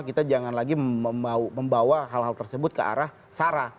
kita jangan lagi membawa hal hal tersebut ke arah sara